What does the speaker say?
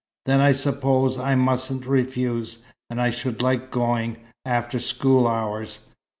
"Then I suppose I mustn't refuse. And I should like going after school hours.